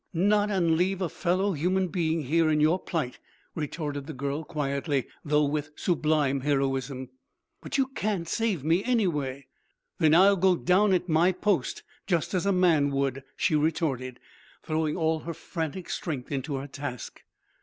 "Not and leave a fellow human being here in your plight," retorted the girl quietly, though with sublime heroism. "But you can't save me, anyway." "Then I'll go down at my post, just as a man would," she retorted, throwing all her frantic strength into her task.